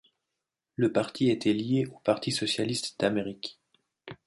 Le parti était lié au Parti socialiste d'Amérique.